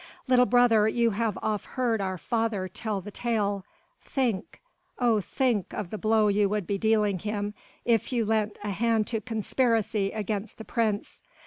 Little brother, you have oft heard our father tell the tale, think ... oh, think of the blow you would be dealing him if you lent a hand to conspiracy against the Prince.